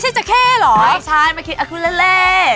ใช่มาที่รายการของเรา